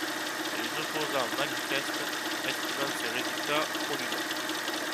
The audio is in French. Les opposants manifestent, estimant ces résultats frauduleux.